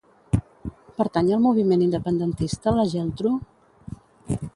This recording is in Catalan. Pertany al moviment independentista la Geltru?